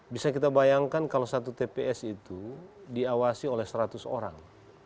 bisa kita bayangkan kalau satu tps itu diawasi oleh seratus orang